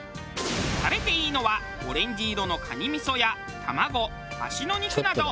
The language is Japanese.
食べていいのはオレンジ色の蟹味噌や卵脚の肉など。